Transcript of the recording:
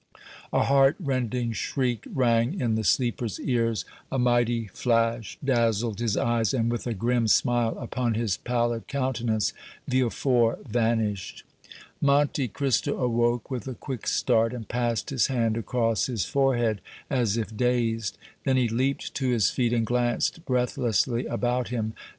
A heart rending shriek rang in the sleeper's ears, a mighty flash dazzled his eyes, and, with a grim smile upon his pallid countenance, Villefort vanished. Monte Cristo awoke with a quick start and passed his hand across his forehead, as if dazed; then he leaped to his feet and glanced breathlessly about him.